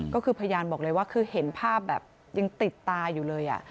ก็คือพยานบอกเลยว่าคือเห็นภาพแบบยังติดตาอยู่เลย